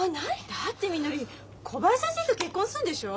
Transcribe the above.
だってみのり小林先生と結婚すんでしょ？